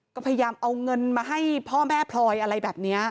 ก็พยายามเอาเงินมาให้พ่อแม่พลอยอะไรแบบนี้